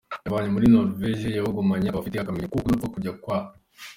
yavanye muri Norvege yawugumanye akaba afite akamenyero ko kudapfa kujya kwa.